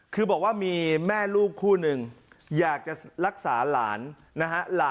คือบอกว่ามีแม่ลูกคู่หนึ่งอยากจะรักษาหลานนะฮะ